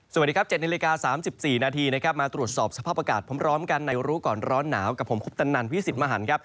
สวัสดีครับ๗นาฬิกา๓๔นาทีนะครับมาตรวจสอบสภาพอากาศพร้อมกันในรู้ก่อนร้อนหนาวกับผมคุปตนันพิสิทธิ์มหันครับ